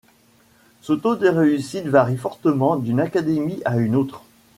Ce taux de réussite varie fortement d'une académie à une autre.